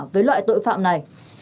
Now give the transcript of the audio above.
với loại tội phạm này